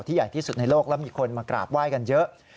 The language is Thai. ใหญ่ที่สุดในโลกแล้วมีคนมากราบไหว้กันเยอะ